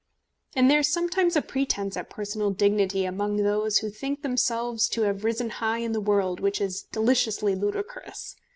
And there is sometimes a pretence at personal dignity among those who think themselves to have risen high in the world which is deliciously ludicrous.